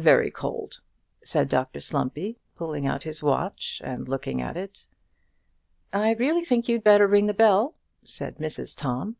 "Very cold," said Dr Slumpy, pulling out his watch and looking at it. "I really think you'd better ring the bell," said Mrs Tom.